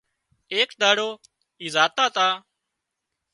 ايڪ ڏاڙو اي زاتا تا